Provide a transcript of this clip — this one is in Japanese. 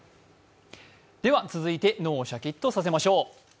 続いて、脳をシャキッとさせましょう。